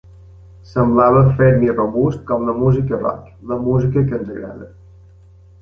Semblava ferm i robust com la música rock, la música que ens agrada.